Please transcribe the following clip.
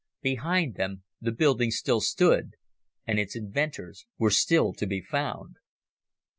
Behind them the building still stood and its inventors were still to be found.